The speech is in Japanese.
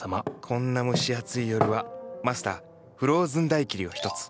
こんな蒸し暑い夜はマスターフローズンダイキリを１つ。